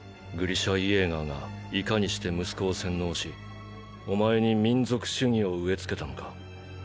グリシャ・イェーガーがいかにして息子を洗脳しお前に民族主義を植えつけたのか。